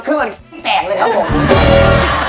เคยกินนะครับ